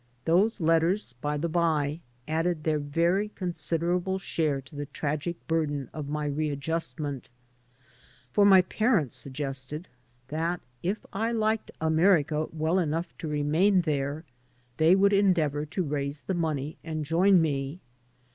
Those letters, by the by, added their very considerable share to the tragic burden of my readjustment, for my parents suggested that, if I liked America well enough to remain there, they would endeavor to raise the money and join me.